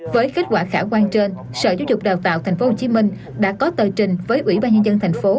với kết quả khả quan trên sở giáo dục đào tạo tp hcm đã có tờ trình với ủy ban nhân dân tp